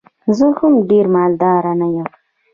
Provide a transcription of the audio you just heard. زه هم ډېر مالدار نه یم.